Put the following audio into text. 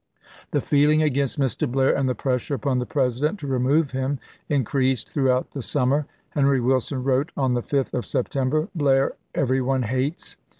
The feeling against Mr. Blair and the pressure upon the President to remove him increased throughout the summer. Henry Wilson wrote on the 5th of September, " Blair every one hates.